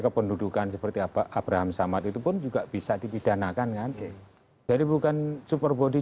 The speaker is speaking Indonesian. kependudukan seperti apa abraham samad itu pun juga bisa dipidanakan kan jadi bukan super body